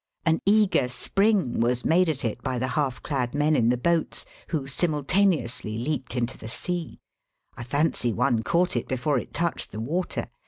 An eager spring was made at it by the half clad men in the boats, who simidtaneously leaped into the sea. I fancy one caught it before it touched the water.